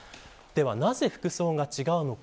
なぜ服装が違うのか。